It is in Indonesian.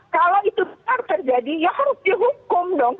kalau itu benar terjadi ya harus dihukum dong